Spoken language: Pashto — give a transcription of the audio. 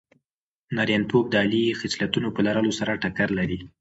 نارینتوب د عالي خصلتونو په لرلو سره ټکر لري.